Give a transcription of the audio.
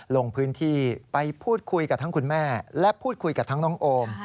ลงพื้นที่ไปพูดคุยกับทั้งคุณแม่และพูดคุยกับทั้งน้องโอม